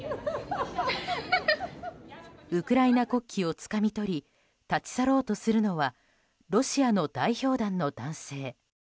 ウクライナ国旗をつかみ取り立ち去ろうとするのはロシアの代表団の男性。